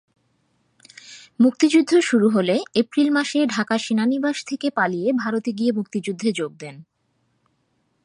মুক্তিযুদ্ধ শুরু হলে এপ্রিল মাসে ঢাকা সেনানিবাস থেকে পালিয়ে ভারতে গিয়ে মুক্তিযুদ্ধে যোগ দেন।